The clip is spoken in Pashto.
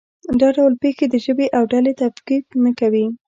دا ډول پېښې د ژبې او ډلې تفکیک نه کوي.